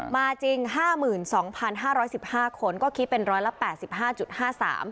จริงห้าหมื่นสองพันห้าร้อยสิบห้าคนก็คิดเป็นร้อยละแปดสิบห้าจุดห้าสาม